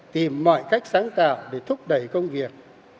tìm mọi cách sáng tạo để thúc đẩy công việc